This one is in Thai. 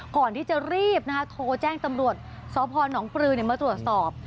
ก่อนที่จะรีบโทรแจ้งตำรวจสพนปลือมาตรวจสอบ